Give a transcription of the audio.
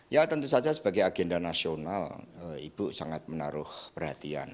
ya tentu saja sebagai agenda nasional ibu sangat menaruh perhatian